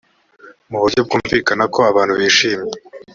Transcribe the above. mu buryo bwumvikana ko abantu bishimye